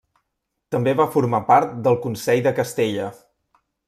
També va formar part del Consell de Castella.